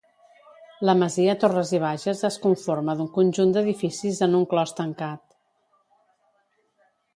La masia Torres i Bages es conforma d'un conjunt d'edificis en un clos tancat.